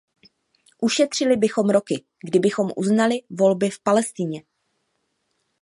Ušetřili bychom roky, kdybychom uznali volby v Palestině.